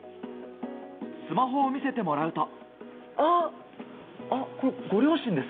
スマホを見せてもらうと。